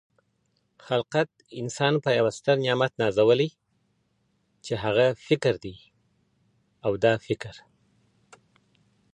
خلقت انسان په یوه ستر نعمت نازولۍ چی هغه فکر دۍ او دا فکر